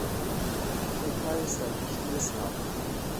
Die Türkei ist ein wichtiges Land.